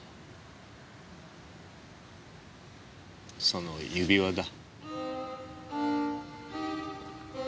その指輪だ。